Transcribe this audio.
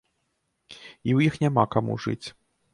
І ў іх няма каму жыць.